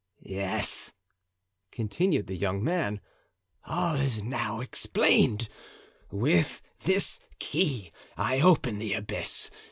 "Yes," continued the young man; "all is now explained; with this key I open the abyss.